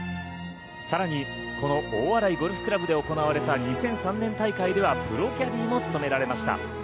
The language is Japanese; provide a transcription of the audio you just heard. さらにこの大洗ゴルフ倶楽部で行われた２００３年大会ではプロキャディーも務められました。